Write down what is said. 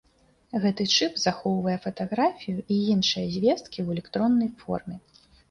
Гэты чып захоўвае фатаграфію і іншыя звесткі ў электроннай форме.